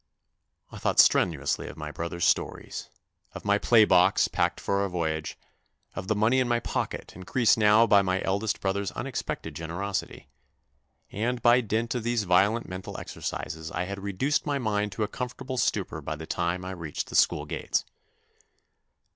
I thought strenuously of my brother's stories, of my THE NEW BOY 55 play box packed for a voyage, of the money in my pocket increased now by my eldest brother's unexpected generosity ; and by dint of these violent mental exercises I had reduced my mind to a comfortable stupor by the time I reached the school gates.